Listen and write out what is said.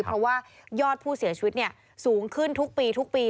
เพราะว่ายอดผู้เสียชีวิตสูงขึ้นทุกปีทุกปี